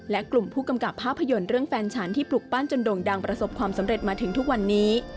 และกลุ่มผู้กำกับภาพยนตร์เรื่องแฟนฉันที่ปลุกปั้นจนโด่งดังประสบความสำเร็จมาถึงทุกวันนี้